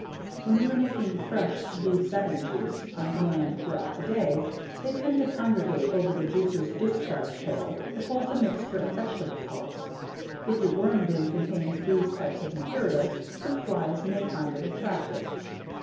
When we're making fresh "V 7" juice on demand throughout the day, they tend to congregate over the juicer's discharge pail that holds a mixture of vegetable pulps. If your worm bin contains these types of materials, fruit flies may find it attractive.